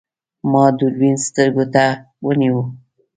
ما دوربین سترګو ته ونیو.